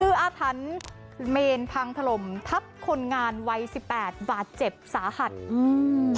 คืออาถรรพ์เมนพังถล่มทับคนงานวัยสิบแปดบาดเจ็บสาหัสอืม